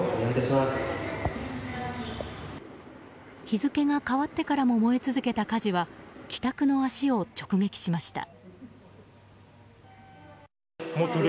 日付が変わってからも燃え続けた火事は帰宅の足を直撃しました。